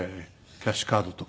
キャッシュカードとか。